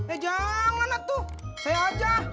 eh jangan tuh saya aja